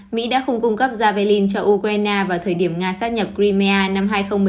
mỹ đã không cung cấp javelin cho ukraine vào thời điểm nga xác nhập crimea năm hai nghìn một mươi bốn